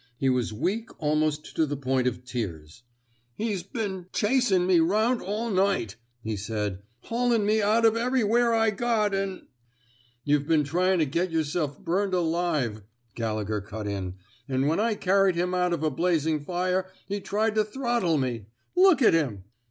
He was weak almost to the point of tears. *' He's been — chasin' me 'round all night," he said. '^Haulin'me out of everywhere I got an' —"You've been tryin' to get yerself burned alive," Gallegher cut in. ^^ An' when I car ried him out of a blazing fire, he tried to throttle me. Look at him!